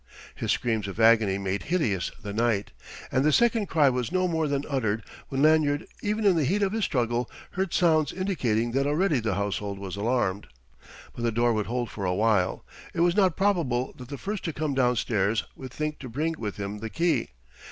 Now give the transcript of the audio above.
His screams of agony made hideous the night. And the second cry was no more than uttered when Lanyard, even in the heat of his struggle, heard sounds indicating that already the household was alarmed. But the door would hold for a while; it was not probable that the first to come downstairs would think to bring with him the key.